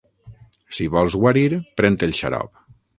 Si vols guarir pren-te el xarop.